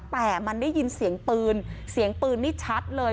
แต่มันได้ยินเสียงปืนเสียงปืนนี่ชัดเลย